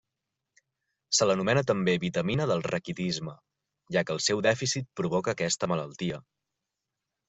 Se l'anomena també vitamina del raquitisme, ja que el seu dèficit provoca aquesta malaltia.